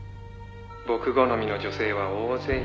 「僕好みの女性は大勢いる」